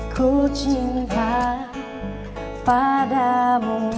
ku cinta padamu